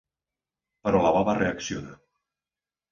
Però la baba reacciona.